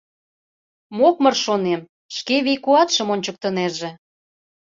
«Мокмыр, — шонем, — шке вий-куатшым ончыктынеже».